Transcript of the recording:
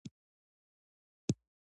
احمدشاه بابا به د ملي بوديجي څارنه کوله.